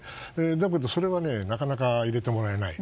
だけど、それはなかなか入れてもらえない。